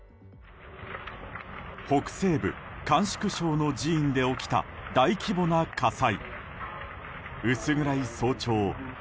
西北部甘粛省の寺院で起きた大規模な火災。